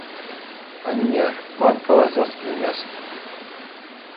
Анне, ман калаҫас килмест.